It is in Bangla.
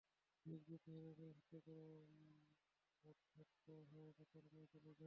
কয়েক দিন ধরে এখানে শিক্ষকেরা ভাগ ভাগ হয়ে প্রচারণায় চলে যান।